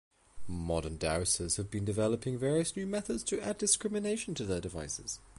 Modern dowsers have been developing various new methods to add discrimination to their devices.